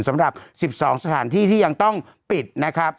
สำหรับ๑๒สถานที่ที่ยังต้องปิดนะครับ